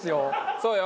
そうよ。